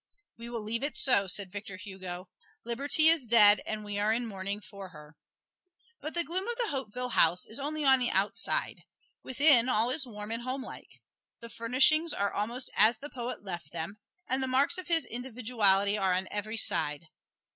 "We will leave it so," said Victor Hugo; "liberty is dead, and we are in mourning for her." But the gloom of Hauteville House is only on the outside. Within all is warm and homelike. The furnishings are almost as the poet left them, and the marks of his individuality are on every side.